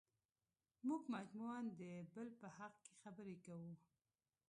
موږ مجموعاً د بل په حق کې خبرې کوو.